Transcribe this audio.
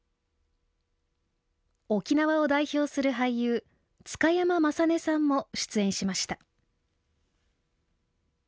沖縄を代表する俳優津嘉山正種さんも出演しました。